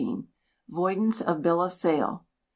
Voidance of Bill of Sale.